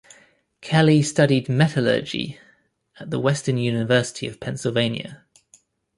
Kelly studied metallurgy at the Western University of Pennsylvania.